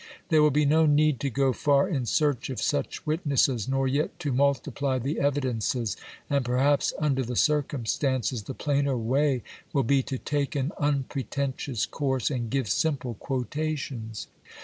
There will be no need to go far in search of such witnesses, nor yet to multiply the evidences, and perhaps under the circumstances the plainer way will be to take an unpretentious course and give simple quotations.